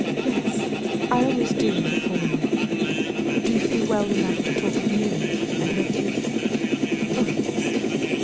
"Yes I always do in the forenoon" "Do you feel well enough to talk of Miriam and her future?" "Oh, yes."